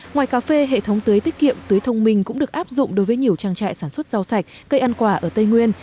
ngoài cà phê hệ thống tưới tiết kiệm tưới thông minh cũng được áp dụng đối với nhiều trang trại sản xuất rau sạch cây ăn quả ở tây nguyên